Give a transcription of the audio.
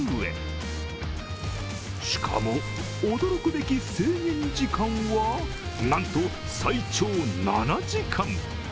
しかも、驚くべき制限時間はなんと最長７時間。